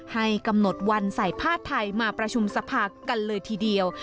ให้กำหนดวันใส่ผ้าไทยมาประชุมสภากันเลยทีเดียว